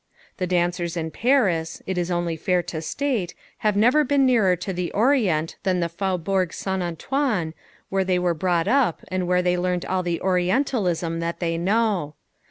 The dancers in Paris it is only fair to state have never been nearer to the Orient than the Faubourg St. Antoine, where they were brought up and where they learned all the Orientalism that they know.